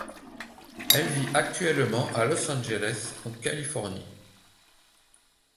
Elle vit actuellement à Los Angeles en Californie.